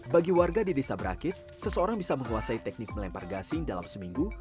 bagi warga di desa berakit seseorang bisa menguasai teknik melempar gasing dalam seminggu